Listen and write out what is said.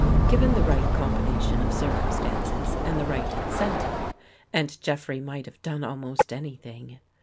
Given the right combination of cir cumstances and the right incentive, and Jeffrey might have done almost anything.